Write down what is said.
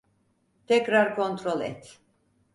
Tekrar kontrol et.